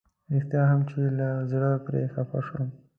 رښتيا هم چې له زړه پرې خفه شوم.